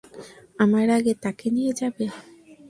আমার আগে তাকে নিয়ে যাবে?